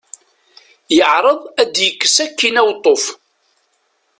Yeɛreḍ ad yekkes akkin aweṭṭuf.